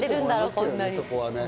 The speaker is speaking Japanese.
こんなに。